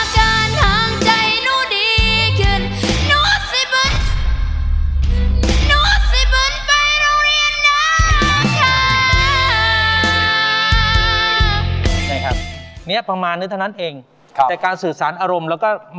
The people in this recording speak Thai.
ใช่ครับเนี้ยประมาณนี้เท่านั้นเองครับแต่การสื่อสารอารมณ์แล้วก็